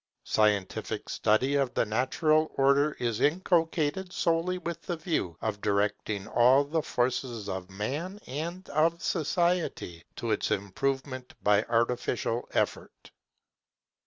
Scientific study of the natural Order is inculcated solely with the view of directing all the forces of Man and of Society to its improvement by artificial effort.